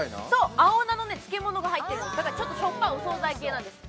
青菜の漬物が入っていてちょっとしょっぱい、お総菜系です。